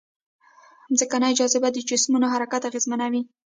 ځمکنۍ جاذبه د جسمونو حرکت اغېزمنوي.